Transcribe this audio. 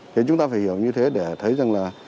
thì chúng ta phải hiểu như thế để thấy rằng là